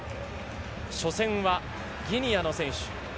初戦はギニアの選手。